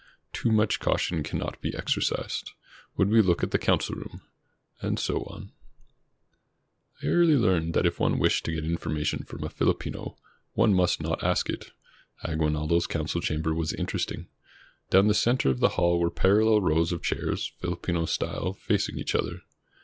Too much caution cannot be exercised. W^ould we look at the council room — and so on. 538 A VISIT TO AGUINALDO I early learned that if one wished to get information from a Filipino, one must not ask it. Aguinaldo's council chamber was interesting. Down the center of the hall were parallel rows of chairs, Filipino style, facing each other.